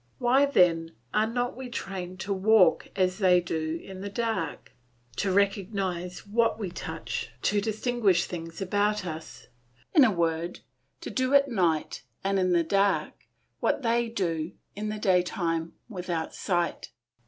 Why, then, are not we trained to walk as they do in the dark, to recognise what we touch, to distinguish things about us; in a word, to do at night and in the dark what they do in the daytime without sight?